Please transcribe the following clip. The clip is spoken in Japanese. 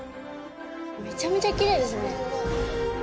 めちゃめちゃキレイですね。